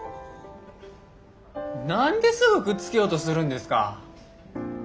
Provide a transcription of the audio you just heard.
何ですぐくっつけようとするんですか。